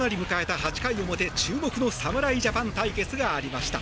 ８回表注目の侍ジャパン対決がありました。